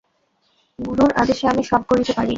গুরুর আদেশে আমি সব করিতে পারি।